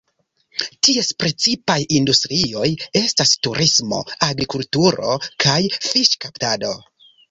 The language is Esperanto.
Ties precipaj industrioj estas turismo, agrikulturo, kaj fiŝkaptado.